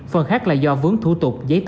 phần khác là do vướng thủ tục giấy tờ